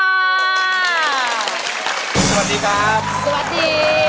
สวัสดีครับสวัสดี